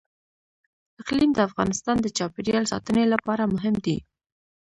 اقلیم د افغانستان د چاپیریال ساتنې لپاره مهم دي.